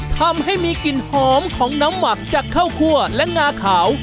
ทำให้มีกลิ่นหอมของน้ำหมักจากข้าวคั่วและงาขาว